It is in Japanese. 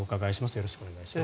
よろしくお願いします。